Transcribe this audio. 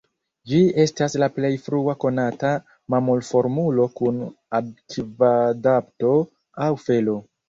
Ĝi estas la plej frua konata mamulformulo kun akvadapto aŭ felo.